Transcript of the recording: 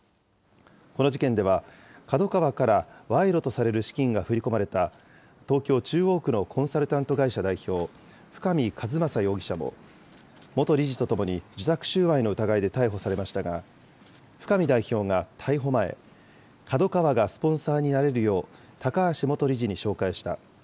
この事件では、ＫＡＤＯＫＡＷＡから賄賂とされる資金が振り込まれた、東京・中央区のコンサルタント会社代表、深見和政容疑者も、元理事とともに自宅収賄の疑いで逮捕されましたが、深見代表が逮捕前、ＫＡＤＯＫＡＷＡがスポンサーになれるよう、高橋元理事に紹介した。